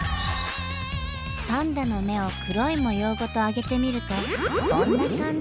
パンダの目を黒い模様ごと上げてみるとこんな感じ。